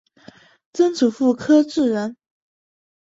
曾祖父柯志仁。